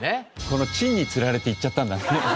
この「珍」につられて行っちゃったんだね。